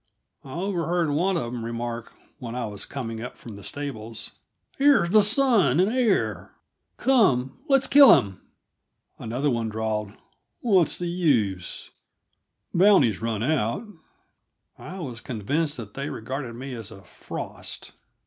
I overheard one of them remark, when I was coming up from the stables: "Here's the son and heir come, let's kill him!" Another one drawled: "What's the use? The bounty's run out." I was convinced that they regarded me as a frost.